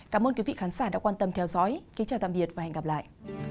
cảm ơn các bạn đã theo dõi và hẹn gặp lại